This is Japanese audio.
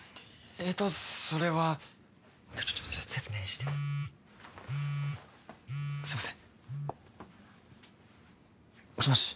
えとそれはちょっと説明してすいませんもしもし？